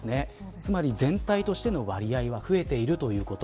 つまり全体としての割合は増えているということ。